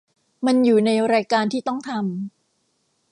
มันอยู่ในรายการที่ต้องทำ